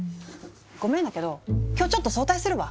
ごめんだけど今日ちょっと早退するわ。